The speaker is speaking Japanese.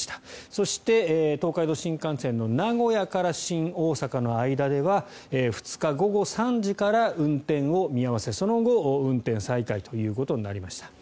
そして、東海道新幹線の名古屋から新大阪の間では２日午後３時から運転を見合わせその後、運転再開ということになりました。